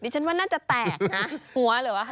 นี่ชั้นว่าน่าจะแตกนะ